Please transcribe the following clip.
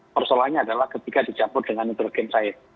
persoalannya adalah ketika dicampur dengan nitrogen cair